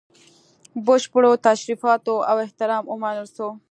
بشپړو تشریفاتو او احترام ومنل سو.